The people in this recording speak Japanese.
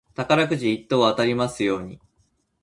宝くじ一等当たりますように。